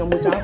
aku jangan in